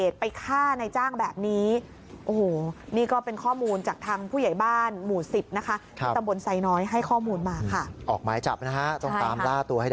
สวัสดีครับ